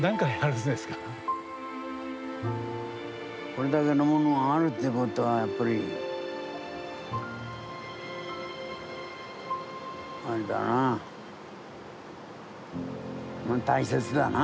これだけのものがあるってことはやっぱりあれだな、大切だな。